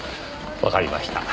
わかりました。